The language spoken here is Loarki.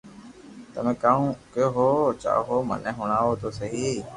تمو ڪاو ڪيوُ چاھو ھون مني ھڻاو تو سھي